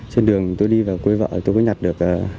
trên đường tôi đi vào quê vợ tôi mới nhặt được